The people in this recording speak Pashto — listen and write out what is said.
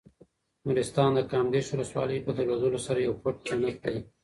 نورستان د کامدېش ولسوالۍ په درلودلو سره یو پټ جنت دی.